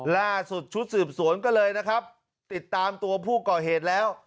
และชุดสืบสวนก็เลยติดตามตัวผู้ก่อเหตุแล้ว